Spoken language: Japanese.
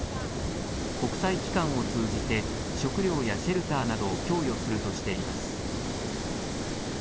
国際機関を通じて、食料やシェルターなどを供与するとしています。